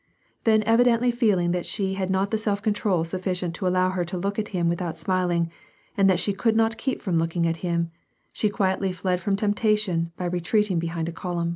Then evidently feeling that she had not the self control sufficient to allow her to look at him without smiling, and that she could not keep from looking at him, she quietly fled from temptation by retreating behind a column.